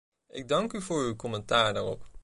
Ik dank u voor uw commentaar daarop.